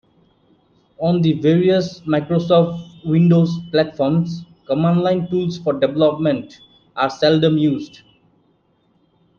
On the various Microsoft Windows platforms, command-line tools for development are seldom used.